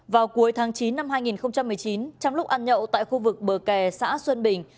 vào cuối tháng chín năm hai nghìn một mươi chín trong lúc ăn nhậu tại khu vực bờ kè xã xuân bình